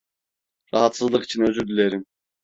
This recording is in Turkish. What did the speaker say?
Rahatsızlık için özür dilerim.